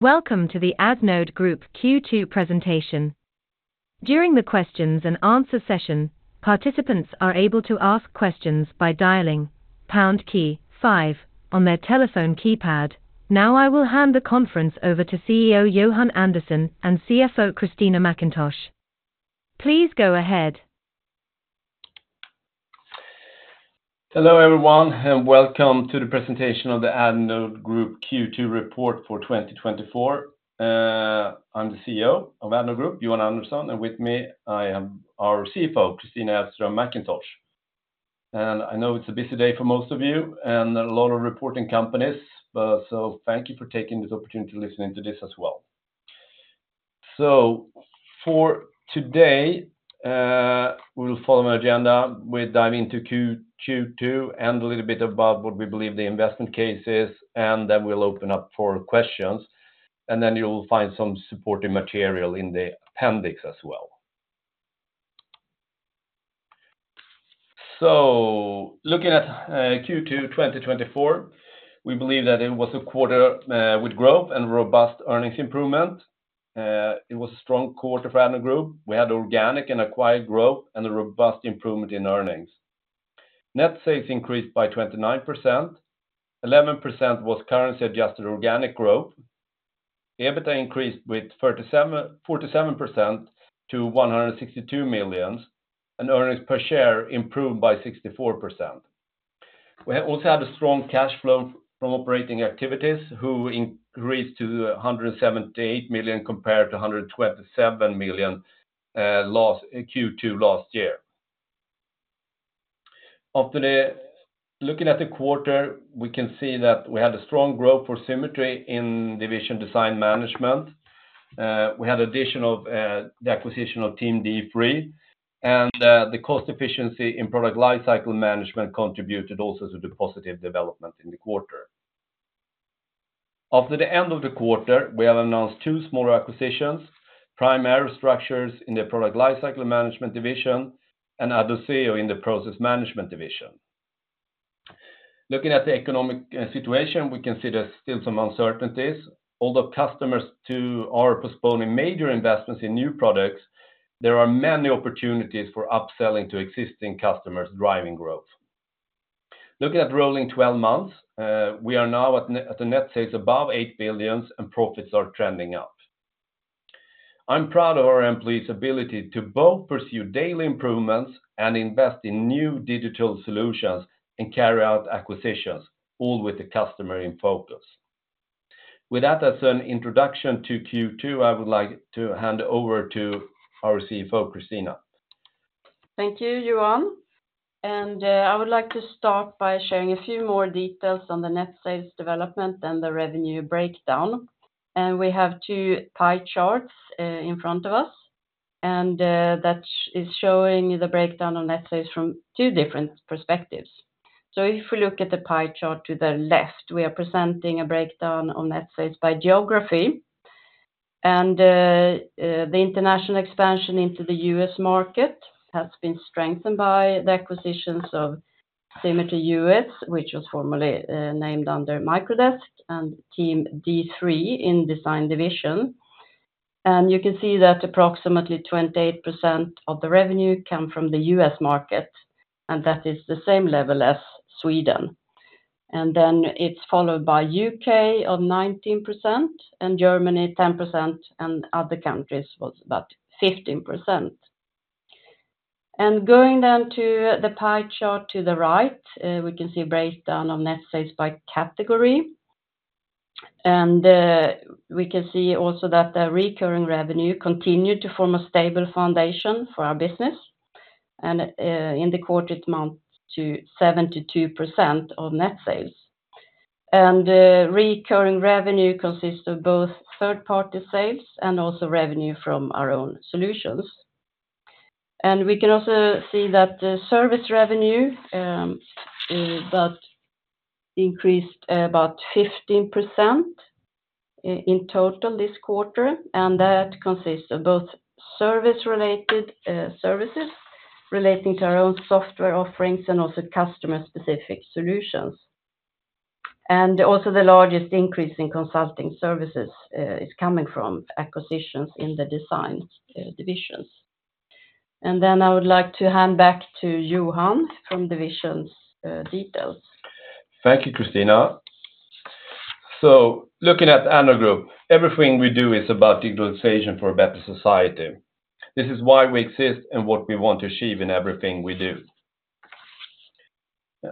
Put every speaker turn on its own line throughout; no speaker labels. Welcome to the Addnode Group Q2 presentation. During the questions and answer session, participants are able to ask questions by dialing pound key five on their telephone keypad. Now, I will hand the conference over to CEO Johan Andersson and CFO Kristina Mackintosh. Please go ahead.
Hello, everyone, and welcome to the presentation of the Addnode Group Q2 report for 2024. I'm the CEO of Addnode Group, Johan Andersson, and with me, our CFO, Kristina Elfström Mackintosh. I know it's a busy day for most of you and a lot of reporting companies, but thank you for taking this opportunity to listen to this as well. For today, we will follow my agenda. We dive into Q2, and a little bit about what we believe the investment case is, and then we'll open up for questions, and then you'll find some supporting material in the appendix as well. Looking at Q2 2024, we believe that it was a quarter with growth and robust earnings improvement. It was a strong quarter for Addnode Group. We had organic and acquired growth and a robust improvement in earnings. Net sales increased by 29%. 11% was currency-adjusted organic growth. EBITDA increased with 47% to 162 million, and earnings per share improved by 64%. We have also had a strong cash flow from operating activities, who increased to 178 million compared to 127 million last Q2 last year. Looking at the quarter, we can see that we had a strong growth for Symetri in division Design Management. We had additional the acquisition of Team D3, and the cost efficiency in Product Lifecycle Management contributed also to the positive development in the quarter. After the end of the quarter, we have announced two smaller acquisitions, Prime Aerostructures in the Product Lifecycle Management division and Addoceo in the Process Management division. Looking at the economic situation, we can see there's still some uncertainties. Although customers, too, are postponing major investments in new products, there are many opportunities for upselling to existing customers, driving growth. Looking at rolling twelve months, we are now at net sales above 8 billion, and profits are trending up. I'm proud of our employees' ability to both pursue daily improvements and invest in new digital solutions and carry out acquisitions, all with the customer in focus. With that as an introduction to Q2, I would like to hand over to our CFO, Kristina.
Thank you, Johan. I would like to start by sharing a few more details on the net sales development and the revenue breakdown. We have two pie charts in front of us, and that is showing the breakdown on net sales from two different perspectives. So if we look at the pie chart to the left, we are presenting a breakdown on net sales by geography. The international expansion into the U.S. market has been strengthened by the acquisitions of Symetri U.S., which was formerly named under Microdesk and Team D3 in Design Management. You can see that approximately 28% of the revenue come from the U.S. market, and that is the same level as Sweden. Then it's followed by U.K. of 19% and Germany, 10%, and other countries was about 15%. Going down to the pie chart to the right, we can see a breakdown of net sales by category. We can see also that the recurring revenue continued to form a stable foundation for our business, and in the quarter amount to 72% of net sales. Recurring revenue consists of both third-party sales and also revenue from our own solutions. We can also see that the service revenue that increased about 15% in total this quarter, and that consists of both service-related services relating to our own software offerings and also customer-specific solutions. The largest increase in consulting services is coming from acquisitions in the design divisions. Then I would like to hand back to Johan from divisions details.
Thank you, Kristina. So looking at Addnode Group, everything we do is about digitalization for a better society. This is why we exist and what we want to achieve in everything we do.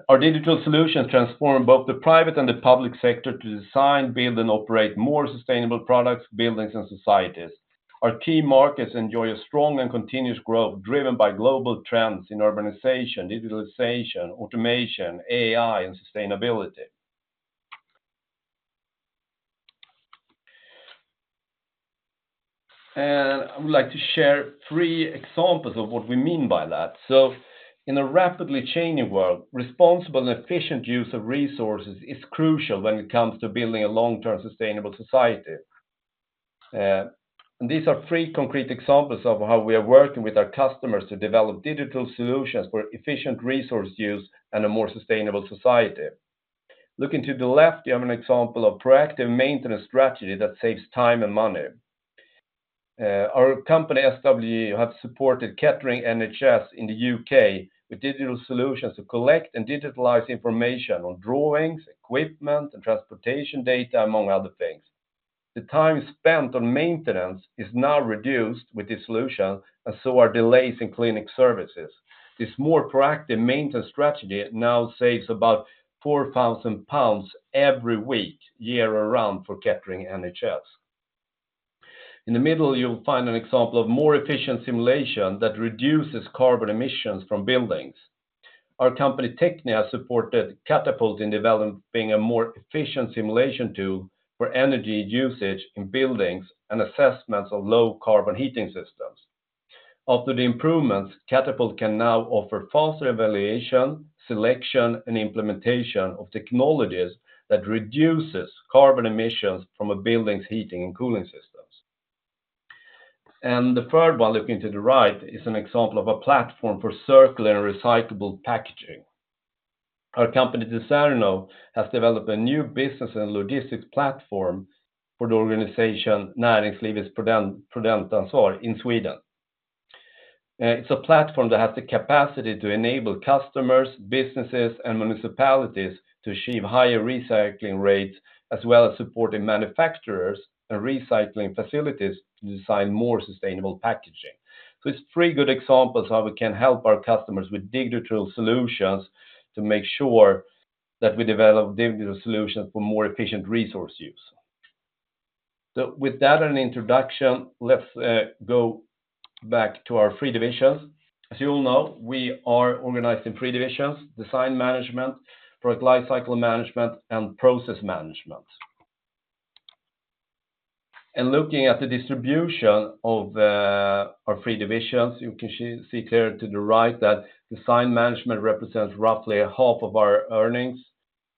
Our digital solutions transform both the private and the public sector to design, build, and operate more sustainable products, buildings, and societies. Our key markets enjoy a strong and continuous growth, driven by global trends in urbanization, digitalization, automation, AI, and sustainability. And I would like to share three examples of what we mean by that. So in a rapidly changing world, responsible and efficient use of resources is crucial when it comes to building a long-term, sustainable society.... And these are three concrete examples of how we are working with our customers to develop digital solutions for efficient resource use and a more sustainable society. Looking to the left, you have an example of proactive maintenance strategy that saves time and money. Our company, Symetri, has supported Kettering NHS in the U.K. with digital solutions to collect and digitalize information on drawings, equipment, and transportation data, among other things. The time spent on maintenance is now reduced with this solution, and so are delays in clinic services. This more proactive maintenance strategy now saves about 4,000 pounds every week, year around, for Kettering NHS. In the middle, you'll find an example of more efficient simulation that reduces carbon emissions from buildings. Our company, Technia, supported Energy Systems Catapult in developing a more efficient simulation tool for energy usage in buildings and assessments of low carbon heating systems. After the improvements, Energy Systems Catapult can now offer faster evaluation, selection, and implementation of technologies that reduces carbon emissions from a building's heating and cooling systems. The third one, looking to the right, is an example of a platform for circular and recyclable packaging. Our company, Decerno, has developed a new business and logistics platform for the organization, Näringslivets Producentansvar, in Sweden. It's a platform that has the capacity to enable customers, businesses, and municipalities to achieve higher recycling rates, as well as supporting manufacturers and recycling facilities to design more sustainable packaging. So it's three good examples how we can help our customers with digital solutions to make sure that we develop digital solutions for more efficient resource use. So with that an introduction, let's go back to our three divisions. As you all know, we are organized in three divisions: Design Management, Product Lifecycle Management, and Process Management. Looking at the distribution of our three divisions, you can see clearly to the right that Design Management represents roughly half of our earnings,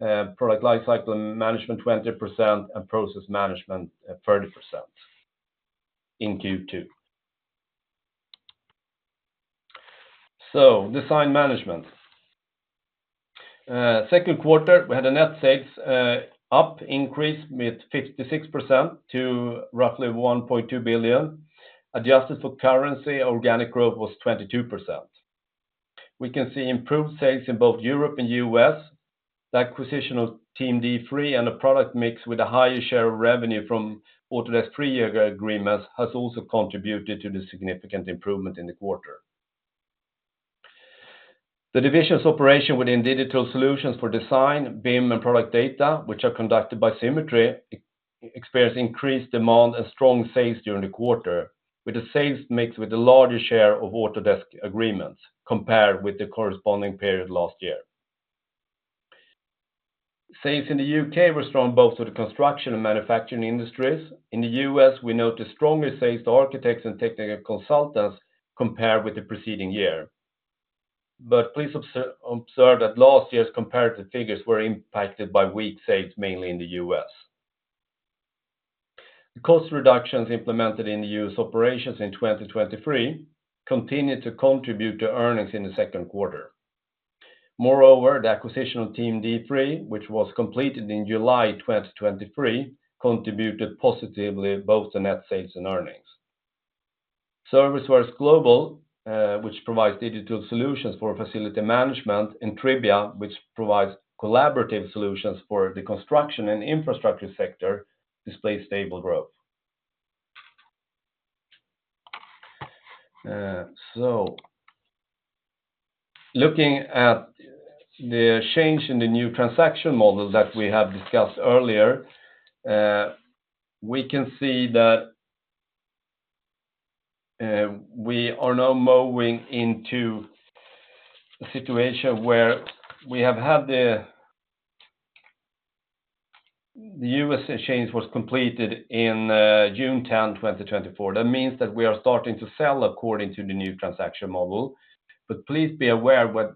Product Lifecycle Management, 20%, and Process Management, 30% in Q2. So, Design Management. Second quarter, we had net sales up increase with 56% to roughly 1.2 billion. Adjusted for currency, organic growth was 22%. We can see improved sales in both Europe and U.S. The acquisition of Team D3 and a product mix with a higher share of revenue from Autodesk three-year agreements has also contributed to the significant improvement in the quarter. The division's operation within digital solutions for design, BIM, and product data, which are conducted by Symetri, experienced increased demand and strong sales during the quarter, with the sales mix with a larger share of Autodesk agreements compared with the corresponding period last year. Sales in the U.K. were strong, both with the construction and manufacturing industries. In the U.S., we note the stronger sales to architects and technical consultants compared with the preceding year. But please observe that last year's comparative figures were impacted by weak sales, mainly in the U.S. The cost reductions implemented in the U.S. operations in 2023 continued to contribute to earnings in the second quarter. Moreover, the acquisition of Team D3, which was completed in July 2023, contributed positively, both the net sales and earnings. Service Works Global, which provides digital solutions for facility management, and Tribia, which provides collaborative solutions for the construction and infrastructure sector, displayed stable growth. So looking at the change in the new transaction model that we have discussed earlier, we can see that we are now moving into a situation where we have had the. The U.S. exchange was completed in June 10th, 2024. That means that we are starting to sell according to the new transaction model. But please be aware what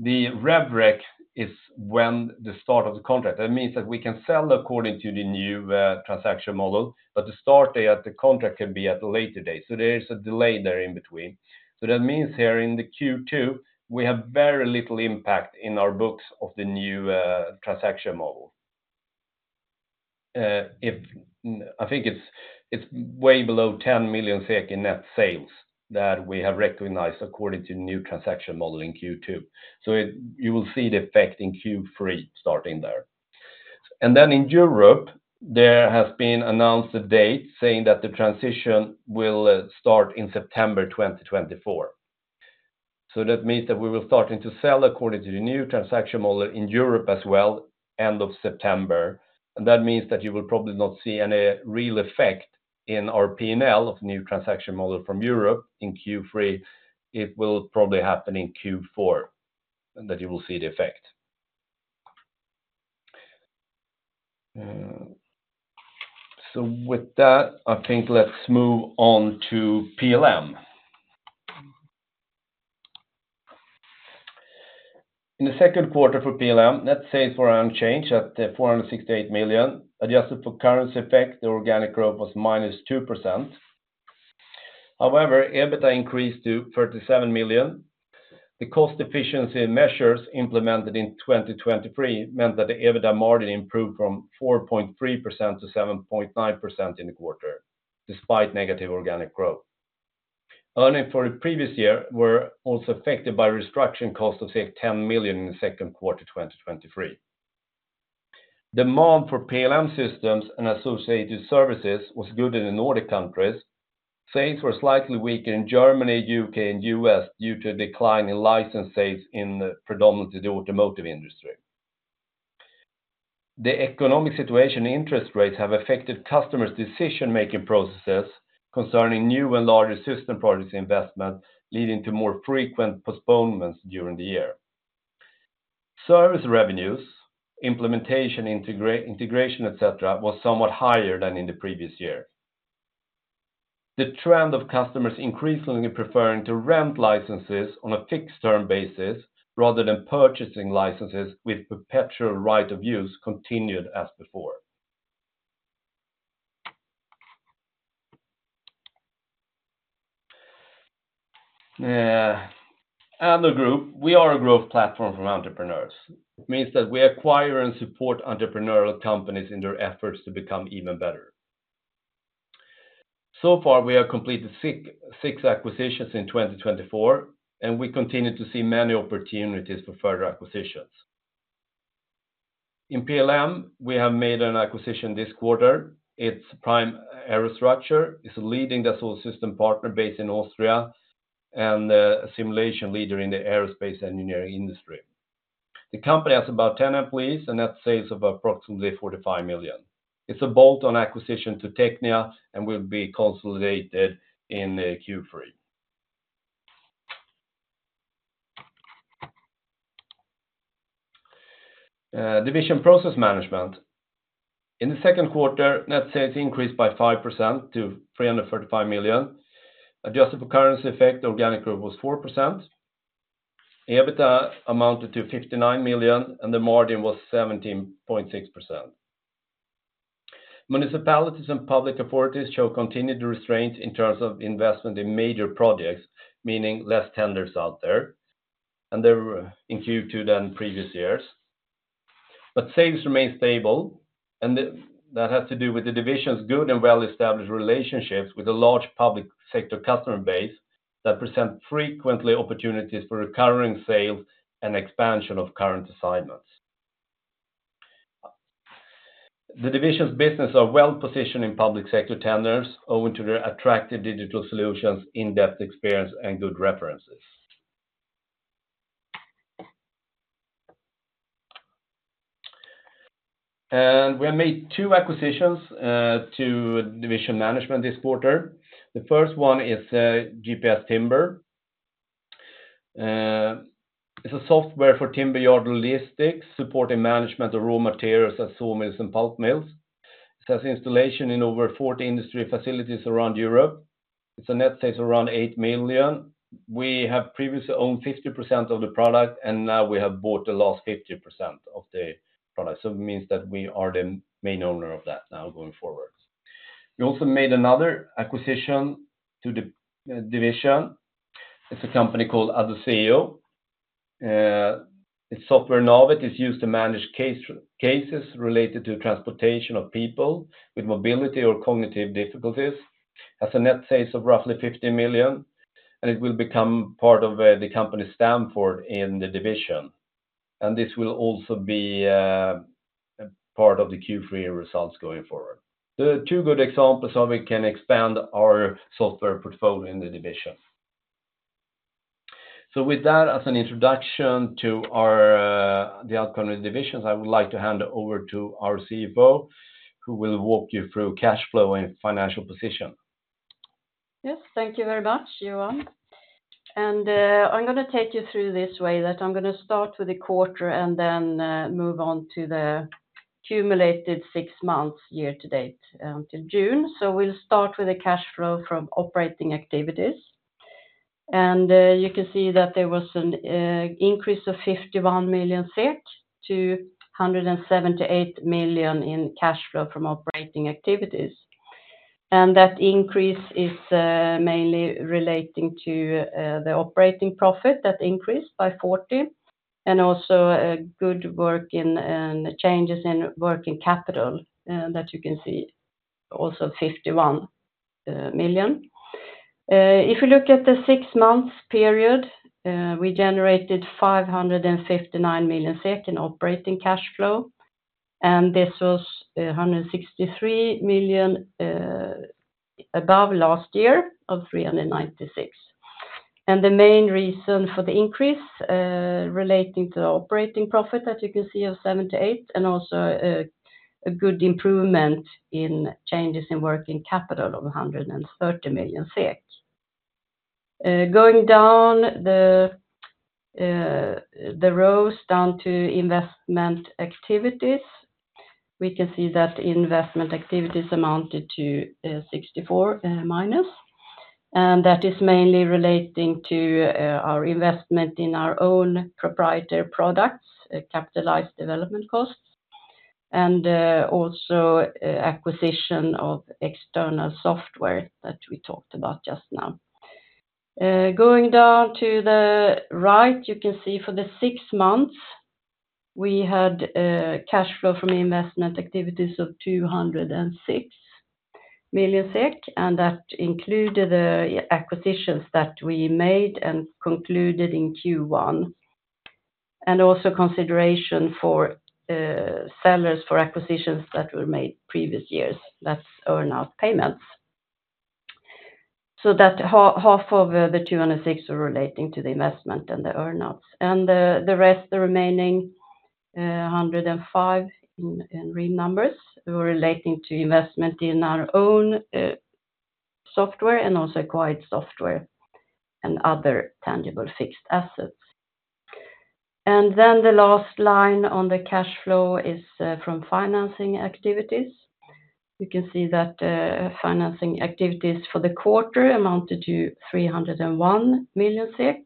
the rev rec is when the start of the contract. That means that we can sell according to the new transaction model, but the start date of the contract can be at a later date, so there is a delay there in between. So that means here in the Q2, we have very little impact in our books of the new transaction model. I think it's way below 10 million in net sales that we have recognized according to the new transaction model in Q2. So you will see the effect in Q3 starting there. And then in Europe, there has been announced a date saying that the transition will start in September 2024. So that means that we will starting to sell according to the new transaction model in Europe as well, end of September. And that means that you will probably not see any real effect in our P&L of new transaction model from Europe in Q3. It will probably happen in Q4, and that you will see the effect. So with that, I think let's move on to PLM. In the second quarter for PLM, net sales were unchanged at 468 million. Adjusted for currency effect, the organic growth was -2%. However, EBITDA increased to 37 million. The cost efficiency measures implemented in 2023 meant that the EBITDA margin improved from 4.3%-7.9% in the quarter, despite negative organic growth. Earnings for the previous year were also affected by restructuring costs of, say, 10 million in the second quarter, 2023. Demand for PLM systems and associated services was good in the Nordic countries. Sales were slightly weaker in Germany, U.K., and U.S., due to a decline in license sales in predominantly the automotive industry. The economic situation and interest rates have affected customers' decision-making processes concerning new and larger system products investment, leading to more frequent postponements during the year. Service revenues, implementation, integration, et cetera, was somewhat higher than in the previous year. The trend of customers increasingly preferring to rent licenses on a fixed-term basis rather than purchasing licenses with perpetual right of use continued as before. As a group, we are a growth platform for entrepreneurs. It means that we acquire and support entrepreneurial companies in their efforts to become even better. So far, we have completed 6 acquisitions in 2024, and we continue to see many opportunities for further acquisitions. In PLM, we have made an acquisition this quarter. It's Prime Aerostructures. It's a leading digital system partner based in Austria, and a simulation leader in the aerospace engineering industry. The company has about 10 employees, and net sales of approximately 45 million. It's a bolt-on acquisition to Technia, and will be consolidated in Q3. Division Process Management. In the second quarter, net sales increased by 5% to 335 million. Adjusted for currency effect, organic growth was 4%. EBITDA amounted to 59 million, and the margin was 17.6%. Municipalities and public authorities show continued restraint in terms of investment in major projects, meaning less tenders out there, and they were in Q2 than previous years. But sales remain stable, and that has to do with the division's good and well-established relationships with a large public sector customer base that present frequently opportunities for recurring sales and expansion of current assignments. The division's business are well positioned in public sector tenders, owing to their attractive digital solutions, in-depth experience, and good references. We have made two acquisitions to division management this quarter. The first one is GPS Timber. It's a software for timber yard logistics, supporting management of raw materials at sawmills and pulp mills. It has installation in over 40 industry facilities around Europe. It has net sales around 8 million. We have previously owned 50% of the product, and now we have bought the last 50% of the product. So it means that we are the main owner of that now going forward. We also made another acquisition to the division. It's a company called Addoceo. Its software, Navet, is used to manage cases related to transportation of people with mobility or cognitive difficulties. It has net sales of roughly 50 million, and it will become part of the company Stamford in the division, and this will also be a part of the Q3 results going forward. There are two good examples of how we can expand our software portfolio in the division. So with that, as an introduction to our, the outcome of the divisions, I would like to hand over to our CFO, who will walk you through cash flow and financial position.
Yes, thank you very much, Johan. I'm gonna take you through this way, that I'm gonna start with the quarter and then, move on to the cumulative six months year-to-date, to June. So we'll start with the cash flow from operating activities. You can see that there was an increase of 51 million-178 million in cash flow from operating activities. That increase is mainly relating to the operating profit that increased by 40 million, and also a good work in changes in working capital, that you can see, also 51 million. If you look at the six-month period, we generated 559 million SEK in operating cash flow, and this was 163 million SEK above last year of 396 million. The main reason for the increase relating to the operating profit, as you can see, of 78 million, and also a good improvement in changes in working capital of 130 million SEK. Going down the rows down to investment activities, we can see that the investment activities amounted to -64, and that is mainly relating to our investment in our own proprietary products, capitalized development costs, and also acquisition of external software that we talked about just now. Going down to the right, you can see for the six months, we had cash flow from investment activities of 206 million SEK, and that included the acquisitions that we made and concluded in Q1. And also consideration for sellers for acquisitions that were made previous years, that's earn out payments. So that half of the 206 are relating to the investment and the earn outs. The rest, the remaining 105 in real numbers were relating to investment in our own software and also acquired software and other tangible fixed assets. Then the last line on the cash flow is from financing activities. You can see that financing activities for the quarter amounted to 301 million SEK,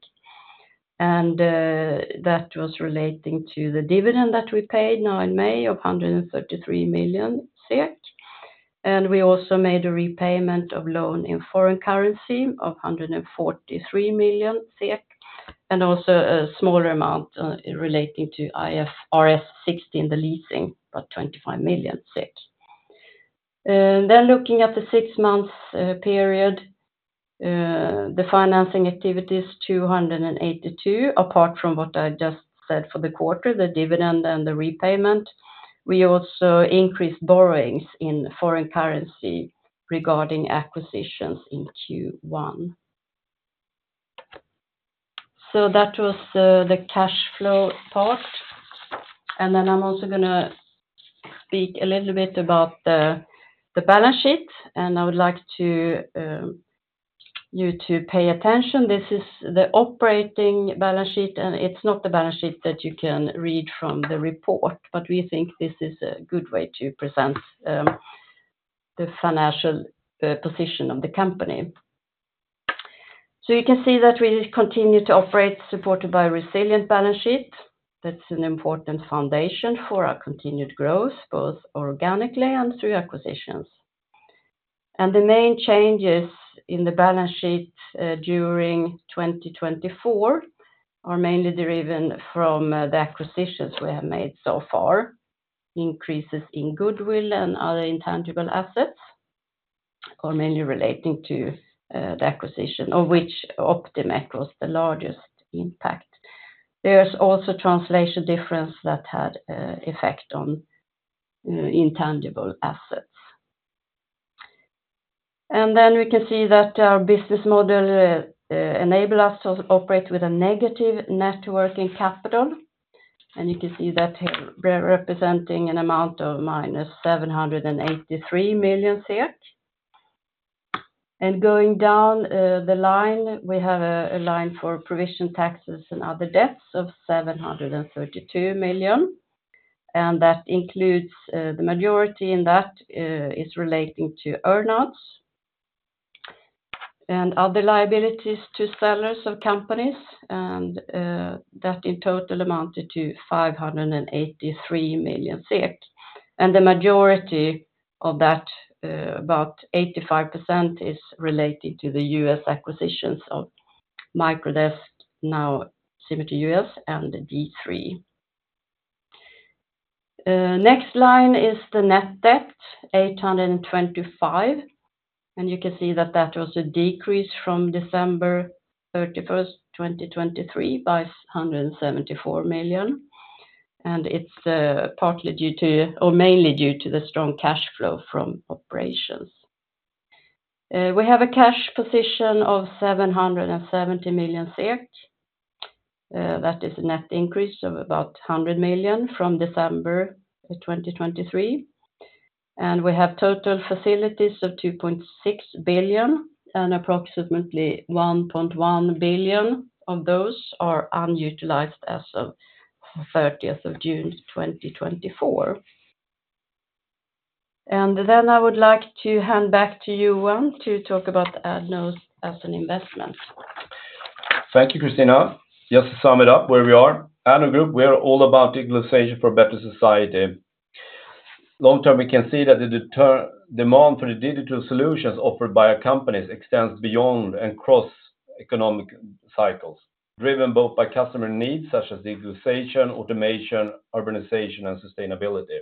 and that was relating to the dividend that we paid now in May of 133 million SEK. We also made a repayment of loan in foreign currency of 143 million SEK, and also a smaller amount relating to IFRS 16, the leasing, about 25 million. Looking at the six months period, the financing activity is 282, apart from what I just said for the quarter, the dividend and the repayment, we also increased borrowings in foreign currency regarding acquisitions in Q1. That was the cash flow part. I'm also gonna speak a little bit about the balance sheet, and I would like you to pay attention. This is the operating balance sheet, and it's not the balance sheet that you can read from the report, but we think this is a good way to present the financial position of the company. You can see that we continue to operate, supported by a resilient balance sheet. That's an important foundation for our continued growth, both organically and through acquisitions. The main changes in the balance sheet during 2024 are mainly driven from the acquisitions we have made so far, increases in goodwill and other intangible assets, mainly relating to the acquisition of which Optimec was the largest impact. There's also translation difference that had effect on intangible assets. Then we can see that our business model enables us to operate with a negative net working capital, and you can see that here, representing an amount of -783 million. Going down the line, we have a line for provisions, taxes and other debts of 732 million, and that includes the majority of that is relating to earn outs and other liabilities to sellers of companies, and that in total amounted to 583 million SEK. The majority of that, about 85%, is related to the U.S. acquisitions of Microdesk, now Symetri U.S., and D3. Next line is the net debt, 825 million, and you can see that that was a decrease from December 31st, 2023, by 174 million. It's partly due to or mainly due to the strong cash flow from operations. We have a cash position of 770 million, that is a net increase of about 100 million from December of 2023, and we have total facilities of 2.6 billion, and approximately 1.1 billion of those are unutilized as of thirtieth of June 2024. Then I would like to hand back to you, Johan, to talk about Addnode as an investment.
Thank you, Kristina. Just to sum it up, where we are, Addnode Group, we are all about digitalization for a better society. Long term, we can see that the demand for the digital solutions offered by our companies extends beyond and cross economic cycles, driven both by customer needs such as digitalization, automation, urbanization, and sustainability.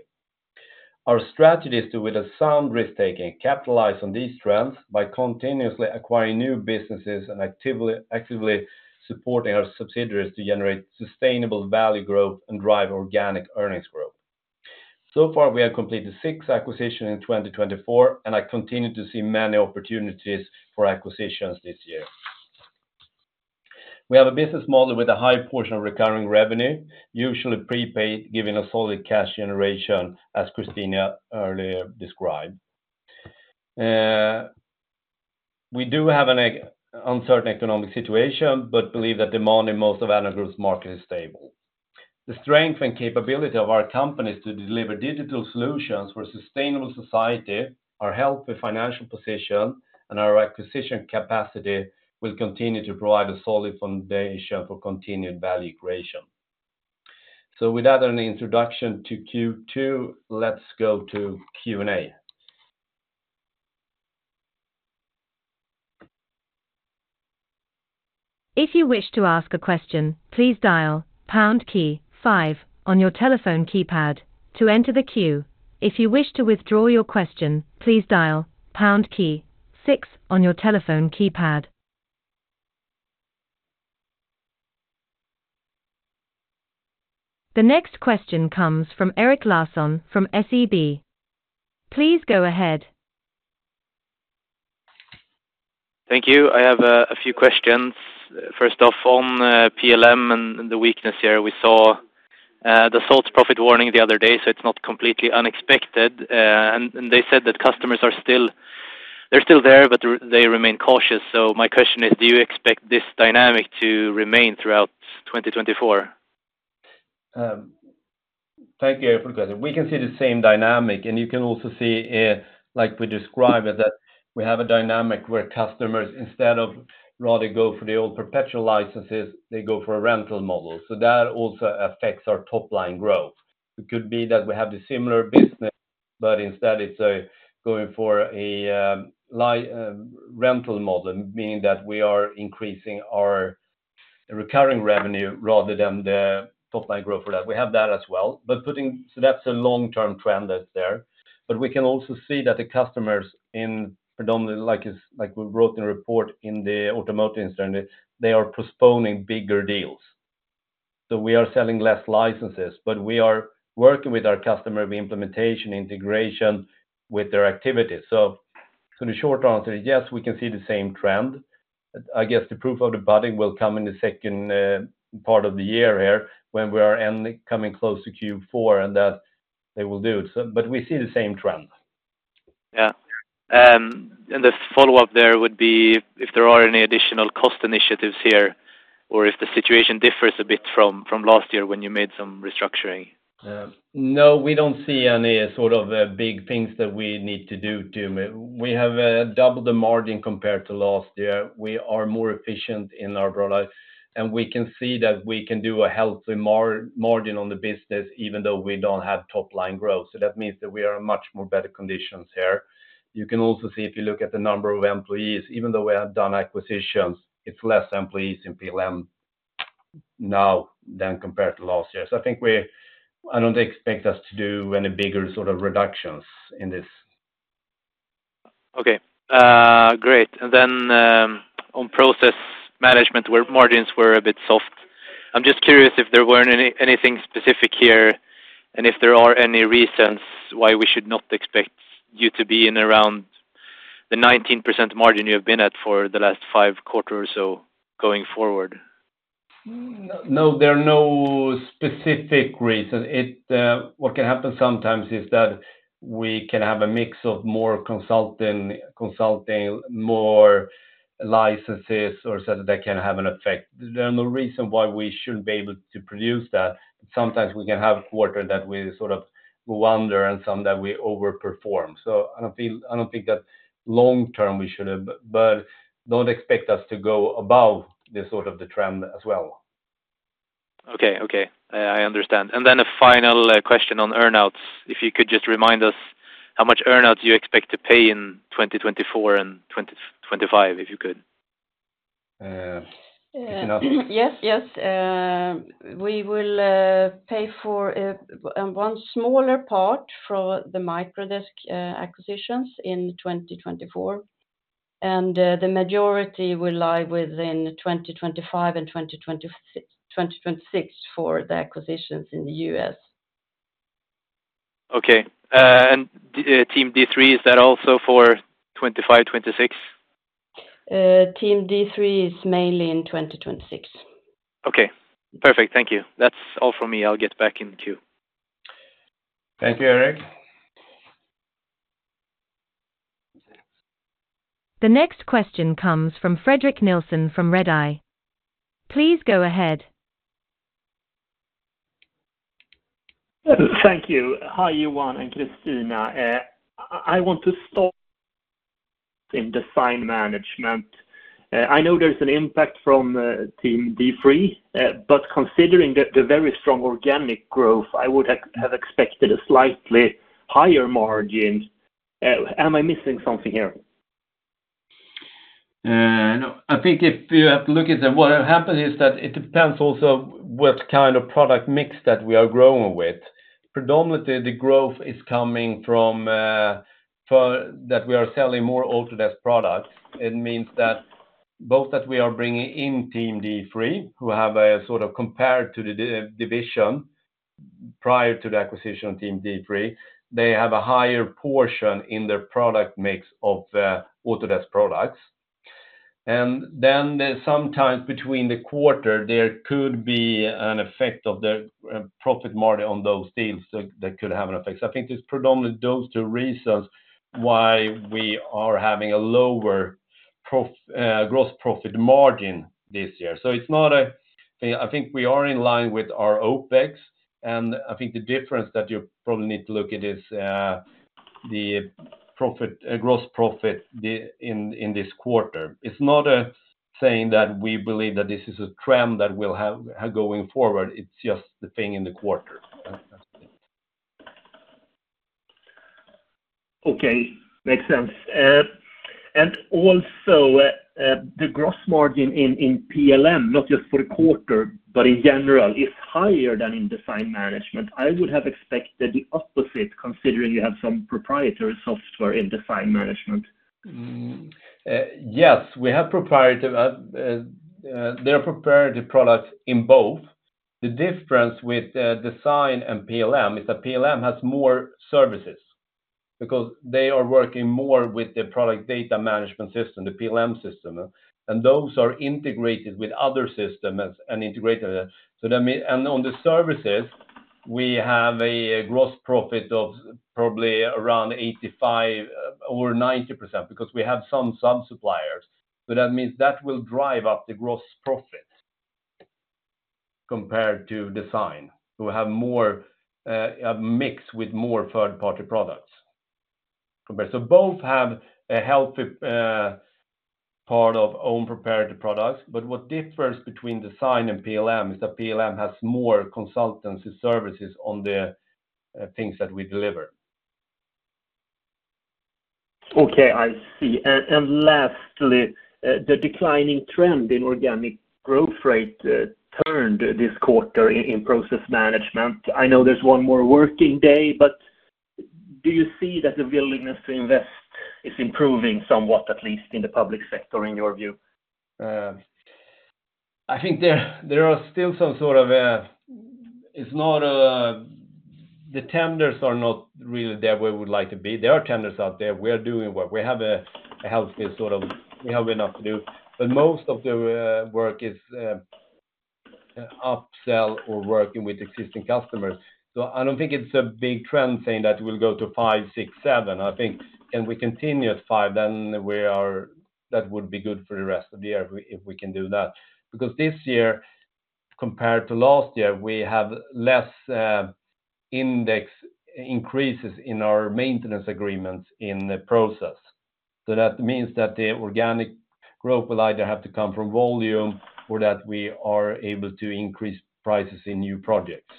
Our strategy is to, with a sound risk-taking, capitalize on these trends by continuously acquiring new businesses and actively supporting our subsidiaries to generate sustainable value growth and drive organic earnings growth. So far, we have completed 6 acquisitions in 2024, and I continue to see many opportunities for acquisitions this year. We have a business model with a high portion of recurring revenue, usually prepaid, giving us solid cash generation, as Kristina earlier described. We do have an economic situation, but believe that demand in most of Addnode Group's market is stable. The strength and capability of our company is to deliver digital solutions for a sustainable society, our healthy financial position, and our acquisition capacity will continue to provide a solid foundation for continued value creation. Without any introduction to Q2, let's go to Q&A.
If you wish to ask a question, please dial pound key five on your telephone keypad to enter the queue. If you wish to withdraw your question, please dial pound key six on your telephone keypad. The next question comes from Erik Larsson from SEB. Please go ahead.
Thank you. I have a few questions. First off, on PLM and the weakness here, we saw Dassault profit warning the other day, so it's not completely unexpected. And they said that customers are still—they're still there, but they remain cautious. So my question is, do you expect this dynamic to remain throughout 2024?
Thank you, Erik, for the question. We can see the same dynamic, and you can also see, like we described, that we have a dynamic where customers, instead of rather go for the old perpetual licenses, they go for a rental model. So that also affects our top line growth. It could be that we have the similar business, but instead it's going for a rental model, meaning that we are increasing our recurring revenue rather than the top line growth for that. We have that as well, but— So that's a long-term trend that's there. But we can also see that the customers in predominantly, like, as, like we wrote in a report in the automotive industry, they are postponing bigger deals. So we are selling less licenses, but we are working with our customer of implementation, integration with their activities. So, the short answer is, yes, we can see the same trend. I guess the proof of the budding will come in the second part of the year here, when we are coming close to Q4, and that they will do. But we see the same trend.
Yeah. And the follow-up there would be if there are any additional cost initiatives here or if the situation differs a bit from last year when you made some restructuring?
No, we don't see any sort of big things that we need to do to. We have doubled the margin compared to last year. We are more efficient in our product, and we can see that we can do a healthy margin on the business, even though we don't have top line growth. So that means that we are in much more better conditions here. You can also see, if you look at the number of employees, even though we have done acquisitions, it's less employees in PLM now than compared to last year. So I think I don't expect us to do any bigger sort of reductions in this.
Okay, great. And then, on Process Management, where margins were a bit soft. I'm just curious if there weren't anything specific here, and if there are any reasons why we should not expect you to be in around the 19% margin you've been at for the last five quarters or so going forward?
No, there are no specific reasons. It, what can happen sometimes is that we can have a mix of more consulting, consulting, more licenses, or so that can have an effect. There are no reason why we shouldn't be able to produce that. Sometimes we can have a quarter that we sort of go under and some that we overperform. So I don't feel, I don't think that long term we should have, but don't expect us to go above the sort of the trend as well.
Okay. Okay, I understand. And then a final question on earnouts. If you could just remind us how much earnouts you expect to pay in 2024 and 2025, if you could?
Uh, Kristina?
Yes, yes. We will pay for one smaller part for the Microdesk acquisitions in 2024, and the majority will lie within 2025 and 2026, 2026 for the acquisitions in the U.S.
Okay, and Team D3, is that also for 2025, 2026?
Team D3 is mainly in 2026.
Okay, perfect. Thank you. That's all for me. I'll get back in the queue.
Thank you, Erik.
The next question comes from Fredrik Nilsson from Redeye. Please go ahead.
Thank you. Hi, Johan and Kristina. I want to start in Design Management. I know there's an impact from Team D3, but considering the very strong organic growth, I would have expected a slightly higher margin. Am I missing something here?
No. I think if you have to look at them, what happened is that it depends also what kind of product mix that we are growing with. Predominantly, the growth is coming from that we are selling more Autodesk products. It means that both that we are bringing in Team D3, who have a sort of compared to the division prior to the acquisition of Team D3, they have a higher portion in their product mix of the Autodesk products. And then there's sometimes between the quarter, there could be an effect of the profit margin on those deals that could have an effect. So I think it's predominantly those two reasons why we are having a lower gross profit margin this year. So it's not. I think we are in line with our OpEx, and I think the difference that you probably need to look at is the profit, gross profit in this quarter. It's not saying that we believe that this is a trend that we'll have going forward, it's just the thing in the quarter.
Okay, makes sense. And also, the gross margin in PLM, not just for the quarter, but in general, is higher than in Design Management. I would have expected the opposite, considering you have some proprietary software in Design Management.
Yes, we have proprietary, there are proprietary products in both. The difference with Design and PLM is that PLM has more services because they are working more with the product data management system, the PLM system, and those are integrated with other systems and integrated. So that and on the services, we have a gross profit of probably around 85-over 90%, because we have some suppliers. So that means that will drive up the gross profit compared to Design, who have more a mix with more third-party products. So both have a healthy part of own proprietary products, but what differs between Design and PLM is that PLM has more consultancy services on the things that we deliver.
Okay, I see. And lastly, the declining trend in organic growth rate turned this quarter in Process Management. I know there's one more working day, but do you see that the willingness to invest is improving somewhat, at least in the public sector, in your view?
I think there are still some sort of. It's not the tenders are not really there where we would like to be. There are tenders out there. We are doing work. We have a healthy sort of, we have enough to do, but most of the work is upsell or working with existing customers. So I don't think it's a big trend saying that we'll go to five, six, seven. I think and we continue at five, then we are. That would be good for the rest of the year if we can do that. Because this year, compared to last year, we have less index increases in our maintenance agreements in the process. So that means that the organic growth will either have to come from volume or that we are able to increase prices in new projects.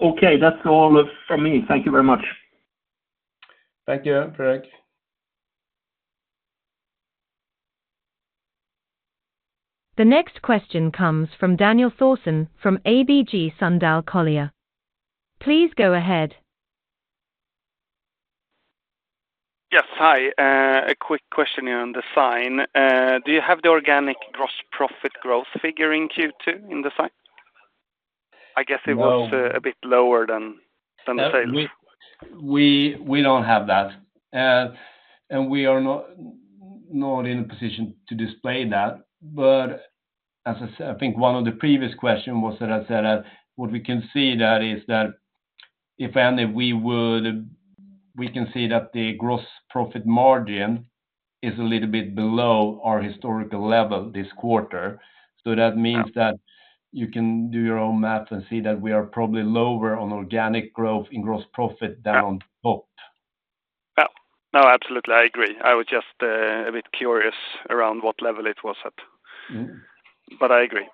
Okay, that's all from me. Thank you very much.
Thank you, Fredrik.
The next question comes from Daniel Thorsson from ABG Sundal Collier. Please go ahead.
Yes. Hi, a quick question here on design. Do you have the organic gross profit growth figure in Q2 in design? I guess-
No
It was a bit lower than sales.
We don't have that. And we are not in a position to display that. But as I said, I think one of the previous question was that I said that what we can see is that we can see that the gross profit margin is a little bit below our historical level this quarter. So that means that you can do your own math and see that we are probably lower on organic growth in gross profit than on top.
Yeah. No, absolutely, I agree. I was just a bit curious around what level it was at. Mm-hmm. But I agree.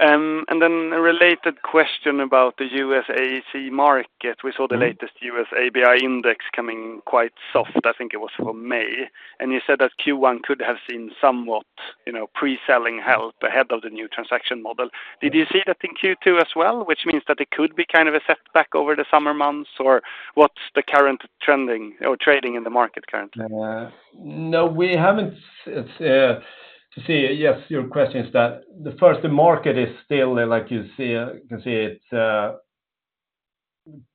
And then a related question about the U.S. AEC market. We saw the latest U.S. ABI index coming quite soft, I think it was for May, and you said that Q1 could have seen somewhat, you know, pre-selling help ahead of the new transaction model. Did you see that in Q2 as well? Which means that it could be kind of a setback over the summer months, or what's the current trending or trading in the market currently?
No, we haven't, to see. Yes, your question is that the first, the market is still, like you see, can see it,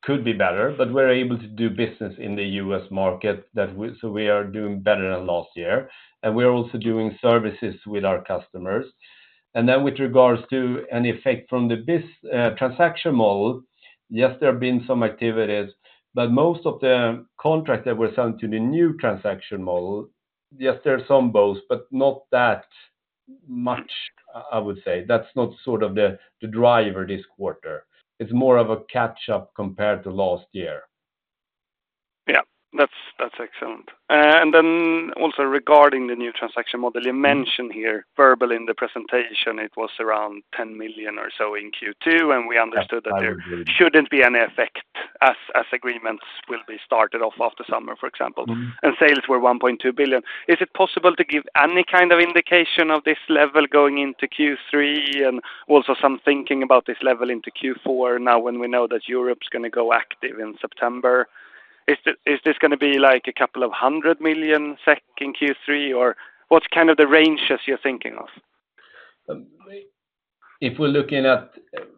could be better, but we're able to do business in the U.S. market, that we—so we are doing better than last year, and we are also doing services with our customers. And then with regards to any effect from the biz transaction model, yes, there have been some activities, but most of the contracts that were sold to the new transaction model, yes, there are some both, but not that much, I would say. That's not sort of the, the driver this quarter. It's more of a catch-up compared to last year.
Yeah, that's, that's excellent. And then also regarding the new transaction model, you mentioned here verbally in the presentation, it was around 10 million or so in Q2, and we understood that there shouldn't be any effect as agreements will be started off after summer, for example- Mm-hmm. And sales were 1.2 billion. Is it possible to give any kind of indication of this level going into Q3? And also some thinking about this level into Q4, now when we know that Europe's going to go active in September. Is this, is this gonna be like a couple of hundred million SEK in Q3, or what's kind of the ranges you're thinking of?...
If we're looking at,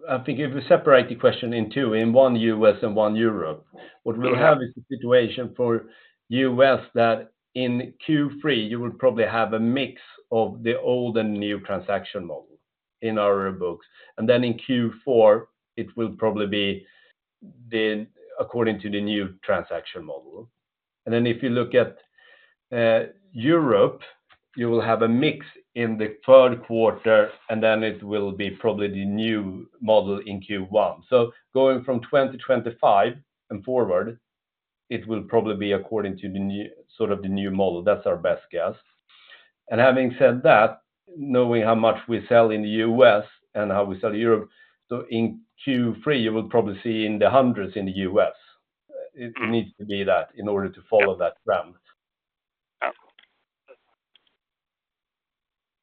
I think if we separate the question in two, in one U.S. and one Europe, what we have is a situation for U.S. that in Q3, you will probably have a mix of the old and new transaction model in our books, and then in Q4, it will probably be the, according to the new transaction model. And then if you look at, Europe, you will have a mix in the third quarter, and then it will be probably the new model in Q1. So going from 2025 and forward, it will probably be according to the new, sort of the new model. That's our best guess. And having said that, knowing how much we sell in the U.S. and how we sell in Europe, so in Q3, you will probably see in the hundreds in the U.S. It needs to be that in order to follow that ramp.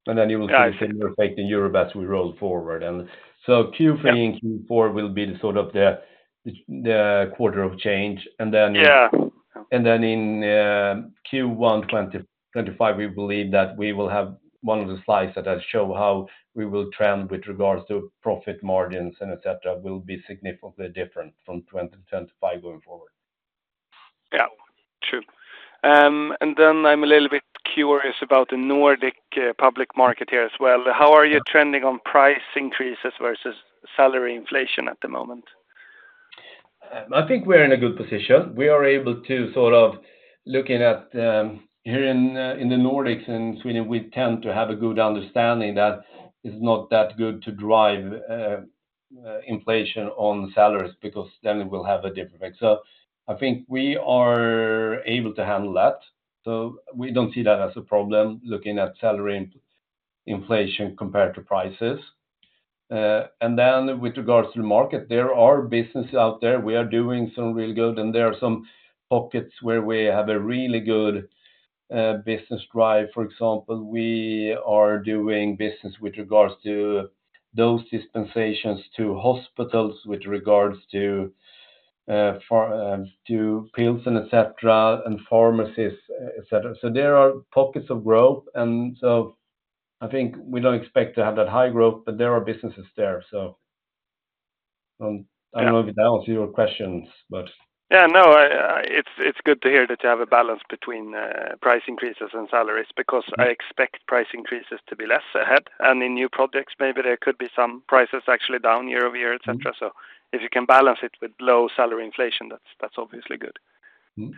And then you will see we take the Europe as we roll forward. And so Q3 and Q4 will be the sort of the quarter of change, and then-
Yeah
And then in Q1 2025, we believe that we will have one of the slides that I show how we will trend with regards to profit margins and et cetera, will be significantly different from 2025 going forward.
Yeah, true. And then I'm a little bit curious about the Nordic public market here as well. How are you trending on price increases versus salary inflation at the moment?
I think we're in a good position. We are able to sort of looking at here in the Nordics and Sweden, we tend to have a good understanding that it's not that good to drive inflation on salaries, because then it will have a different effect. So I think we are able to handle that, so we don't see that as a problem looking at salary inflation compared to prices. And then with regards to the market, there are businesses out there. We are doing some really good, and there are some pockets where we have a really good business drive. For example, we are doing business with regards to those dispensations to hospitals, with regards to for, to pills and et cetera, and pharmacies, et cetera. So there are pockets of growth, and so I think we don't expect to have that high growth, but there are businesses there. So, I don't know if it answers your questions, but-
Yeah, no, it's good to hear that you have a balance between price increases and salaries, because I expect price increases to be less ahead, and in new projects, maybe there could be some prices actually down year over year, et cetera. So if you can balance it with low salary inflation, that's obviously good. Mm.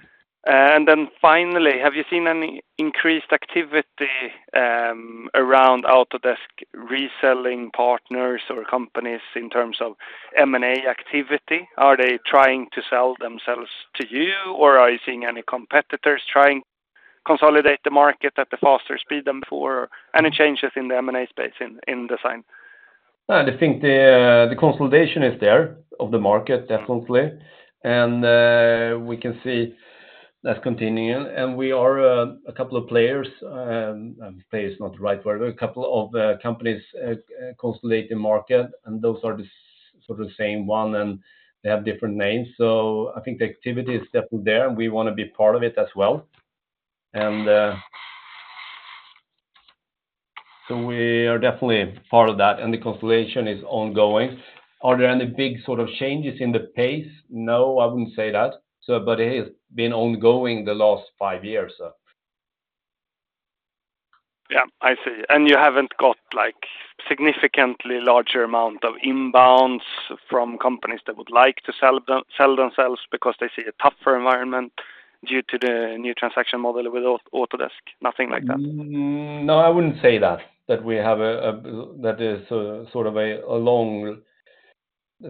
And then finally, have you seen any increased activity around Autodesk reselling partners or companies in terms of M&A activity? Are they trying to sell themselves to you, or are you seeing any competitors trying to consolidate the market at a faster speed than before? Any changes in the M&A space in design?
I think the consolidation is there of the market, definitely. And, we can see that's continuing, and we are, a couple of players, and players is not the right word. A couple of, companies, consolidate the market, and those are the sort of same one, and they have different names. So I think the activity is definitely there, and we want to be part of it as well. And, so we are definitely part of that, and the consolidation is ongoing. Are there any big sort of changes in the pace? No, I wouldn't say that. So, but it has been ongoing the last five years, so.
Yeah, I see. And you haven't got, like, significantly larger amount of inbounds from companies that would like to sell them- sell themselves because they see a tougher environment due to the new transaction model with Au- Autodesk? Nothing like that.
No, I wouldn't say that we have a sort of a long,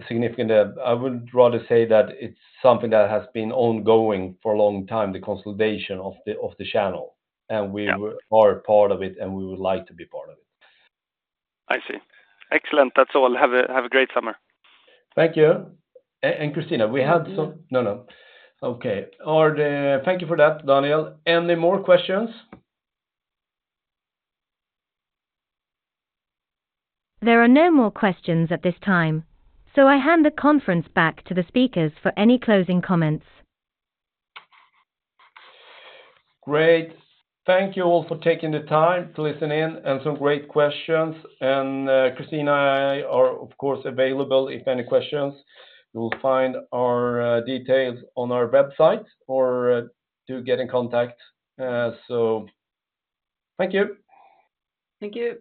significant. I would rather say that it's something that has been ongoing for a long time, the consolidation of the channel. Yeah. We are part of it, and we would like to be part of it.
I see. Excellent! That's all. Have a great summer.
Thank you. And Kristina, we had some-
No.
No, no. Okay. Are there... Thank you for that, Daniel. Any more questions?
There are no more questions at this time, so I hand the conference back to the speakers for any closing comments.
Great. Thank you all for taking the time to listen in, and some great questions. Kristina and I are, of course, available if any questions. You will find our details on our website or do get in contact. So thank you.
Thank you.